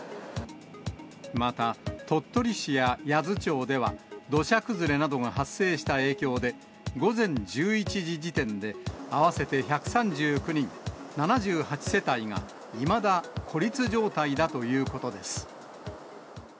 また、鳥取市や八頭町では、土砂崩れなどが発生した影響で、午前１１時時点で、合わせて１３９人７８世帯が、いまだ孤立状態だということです。